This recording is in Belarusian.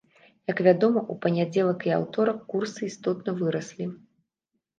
Як вядома, у панядзелак і аўторак курсы істотна выраслі.